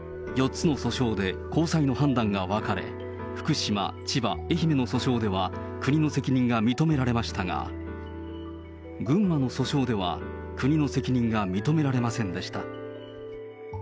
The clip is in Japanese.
４つの訴訟で高裁の判断が分かれ、福島、千葉、愛媛の訴訟では、国の責任が認められましたが、群馬の訴訟では国の責任が認められませんでした。